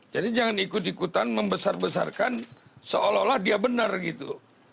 jadi jangan ikut ikutan membesar besarkan seolah olah dia benar gitu